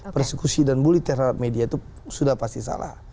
persekusi dan bully terhadap media itu sudah pasti salah